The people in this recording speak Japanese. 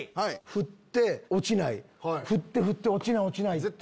ふって落ちないふってふって落ちない落ちない。